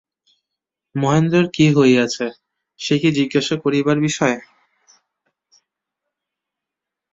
মহেন্দ্রের কী হইয়াছে, সে কি জিজ্ঞাসা করিবার বিষয়।